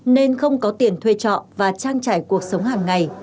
nên không có tiền thuê trọ và trang trải cuộc sống hàng ngày